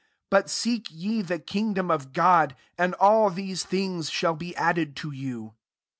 31 But seek ye the king' dom of God; and ToU] then things shall be added to you.